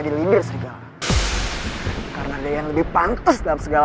ini mirip kayak emas ganteng